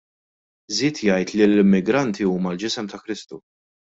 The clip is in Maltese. Żied jgħid li l-immigranti huma l-ġisem ta' Kristu.